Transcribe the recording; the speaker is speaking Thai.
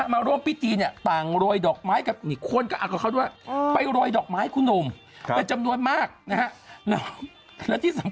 ไม่ใช่ร่างทรงพยุนมาเหรียม